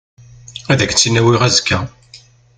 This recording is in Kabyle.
Ad ak-tt-in-awiɣ azekka.